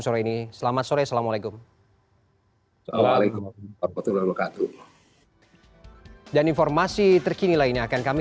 sore ini selamat sore assalamualaikum